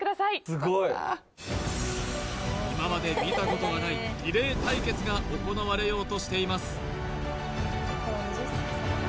・すごい今まで見たことがないリレー対決が行われようとしています